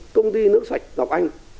công ty nước sạch đọc anh